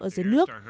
ở dưới nước